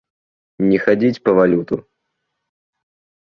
Не хадзіць па валюту!